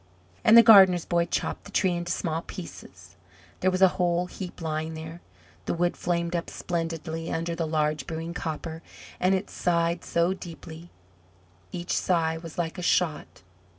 And the gardener's boy chopped the Tree into small pieces; there was a whole heap lying there. The wood flamed up splendidly under the large brewing copper, and it sighed so deeply! Each sigh was like a shot.